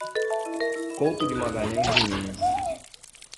Couto de Magalhães de Minas